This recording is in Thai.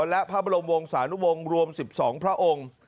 และพระบรมวงศานุวงศ์รวม๑๒พระองค์